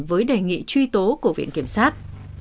với đề nghị truy tố của viện kiểm sát